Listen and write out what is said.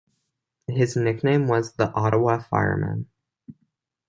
His nickname was "The Ottawa Fireman".